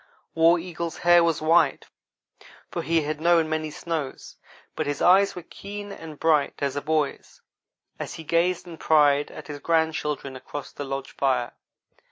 War Eagle's hair was white, for he had known many snows; but his eyes were keen and bright as a boy's, as he gazed in pride at his grandchildren across the lodge fire.